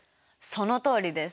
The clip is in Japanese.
そのとおりです。